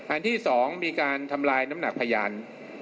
อันที่๒มีการทำลายน้ำหนักพยาน